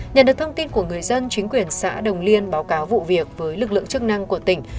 nhận được thông tin của người dân chính quyền xã đồng liên báo cáo vụ việc với lực lượng chức năng của tỉnh